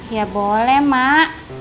ya boleh mak